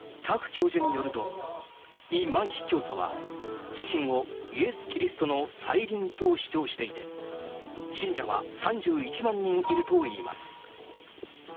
教授によるとイ・マンヒ教祖は自身をイエス・キリストの再臨と主張していて信者は３１万人いるといいます。